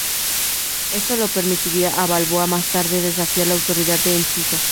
Esto le permitiría a Balboa más tarde desafiar la autoridad de Enciso.